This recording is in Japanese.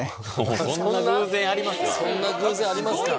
そんな偶然あります